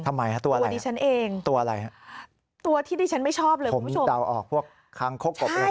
ทำไมตัวอะไรตัวอะไรตัวที่ดิฉันไม่ชอบเลยคุณผู้ชมผมเดาออกพวกคางโคกกบ